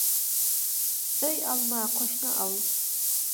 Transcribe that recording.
ئۆي ئالما، قوشنا ئال.